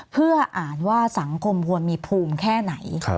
เพื่ออ่านว่าสังคมควรมีภูมิแค่ไหน